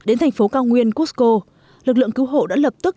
đến thành phố cao nguyên cusco lực lượng cứu hộ đã lập tức